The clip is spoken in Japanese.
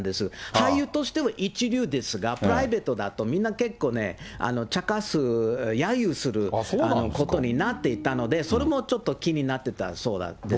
俳優としても一流ですが、プライベートだとみんな結構ね、茶化す、やゆすることになっていたので、それもちょっと気になってたそうなんですね。